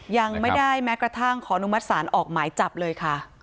ยังไม่ได้แม้กระทั่งขออนุมัติศาลออกหมายจับเลยค่ะ